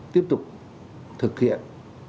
tiếp tục thực hiện